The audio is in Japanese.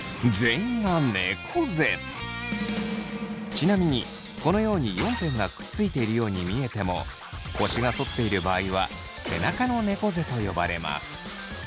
ちなみにこのように４点がくっついているように見えても腰が反っている場合は背中のねこ背と呼ばれます。